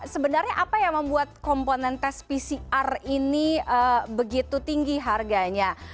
sebenarnya apa yang membuat komponen tes pcr ini begitu tinggi harganya